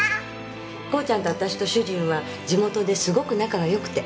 功ちゃんとわたしと主人は地元ですごく仲が良くて。